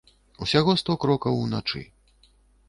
Усяго сто крокаў уначы.